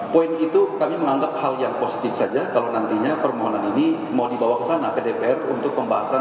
poin itu kami menganggap hal yang positif saja kalau nantinya permohonan ini mau dibawa ke sana ke dpr untuk pembahasan